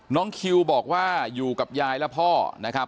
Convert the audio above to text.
น้องคิวบอกว่าอยู่กับยายและพ่อนะครับ